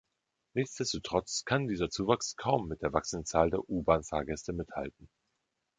Nichtsdestotrotz kann dieser Zuwachs kaum mit der wachsenden Zahl der U-Bahn-Fahrgäste mithalten.